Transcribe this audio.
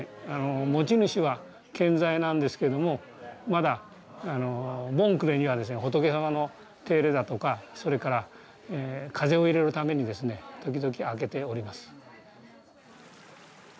持ち主は健在なんですけどもまだ盆暮れにはですね仏様の手入れだとかそれから風を入れるためにですね時々開けております。